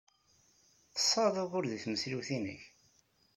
Tesɛid ugur d tmesliwt-nnek?